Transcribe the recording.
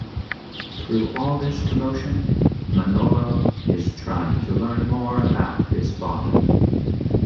Through all this commotion, Manolo is trying to learn more about his father.